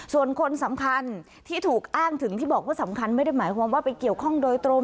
ส่วนคนสำคัญที่ถูกอ้างถึงที่บอกว่าสำคัญไม่ได้หมายความว่าไปเกี่ยวข้องโดยตรง